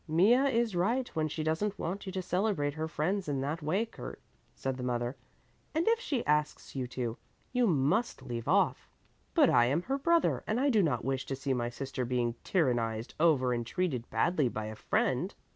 "Mea is right when she doesn't want you to celebrate her friends in that way, Kurt," said the mother, "and if she asks you to, you must leave off." "But I am her brother and I do not wish to see my sister being tyranized over and treated badly by a friend.